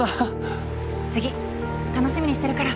次楽しみにしてるから。